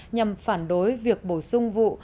nhằm phản đối việc bổ sung vụ